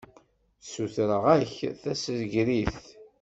Ssutreɣ-ak-d tasegrit.